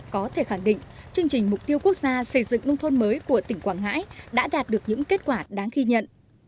có thể khẳng định chương trình mục tiêu quốc gia xây dựng nông thôn mới của tỉnh quảng ngãi đã đạt được những kết quả đáng ghi nhận